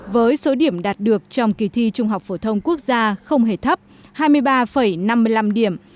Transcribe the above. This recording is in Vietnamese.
với số điểm đạt được trong kỳ thi trung học phổ thông quốc gia không hề thấp hai mươi ba năm mươi năm điểm